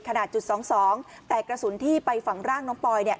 จุดสองสองแต่กระสุนที่ไปฝังร่างน้องปอยเนี่ย